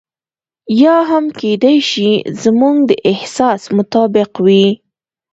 یا هم کېدای شي زموږ د احساس مطابق وي.